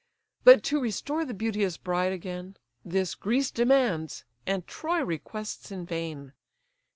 But to restore the beauteous bride again, This Greece demands, and Troy requests in vain.